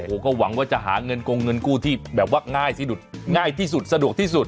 โอ้โหก็หวังว่าจะหาเงินกงเงินกู้ที่แบบว่าง่ายที่สุดง่ายที่สุดสะดวกที่สุด